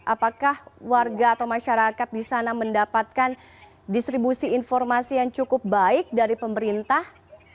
apakah warga atau masyarakat di sana mendapatkan distribusi informasi yang cukup baik dari pemerintah